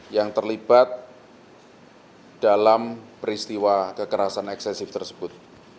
yang terlibat dalam peristiwa kekerasan eksesif tersebut